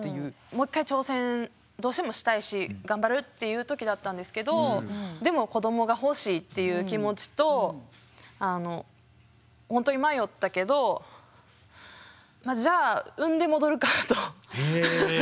もう１回挑戦どうしてもしたいし頑張るっていう時だったんですけどでも子どもが欲しいっていう気持ちと本当に迷ったけどじゃあへえ！